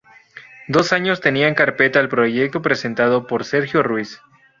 Dos años tenía en carpeta el proyecto presentado por Sergio Ruiz.